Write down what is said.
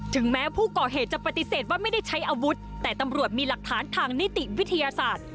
แม้ผู้ก่อเหตุจะปฏิเสธว่าไม่ได้ใช้อาวุธแต่ตำรวจมีหลักฐานทางนิติวิทยาศาสตร์